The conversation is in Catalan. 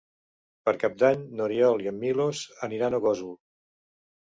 Per Cap d'Any n'Oriol i en Milos aniran a Gósol.